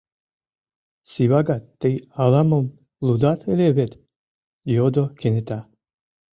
— Сивагат, тый ала-мом лудат ыле вет? — йодо кенета.